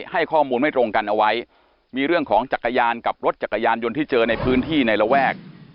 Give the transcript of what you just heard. ให้ข้อมูลไม่ตรงกันเอาไว้มีเรื่องของจักรยานกับรถจักรยานยนต์ที่เจอในพื้นที่ในระแวก